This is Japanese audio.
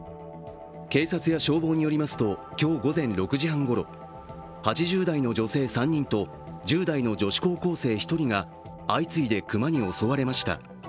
警察や消防によりますと、今日午前６時半ごろ８０代の女性３人と１０代の女子高校生１人が相次いで熊に襲われました。